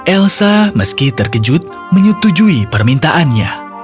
elsa meski terkejut menyetujui permintaannya